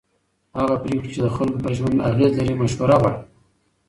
هغه پرېکړې چې د خلکو پر ژوند اغېز لري مشوره غواړي